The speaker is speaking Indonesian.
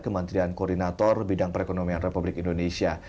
kementerian koordinator bidang perekonomian republik indonesia